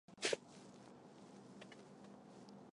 它是康德哲学中的重要概念。